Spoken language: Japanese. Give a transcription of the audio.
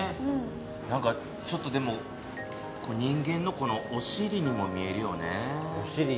なんかちょっとでも人間のおしりにも見えるよね。